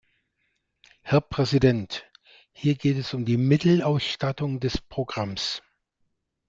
Herr Präsident! Hier geht es um die Mittelausstattung des Programms.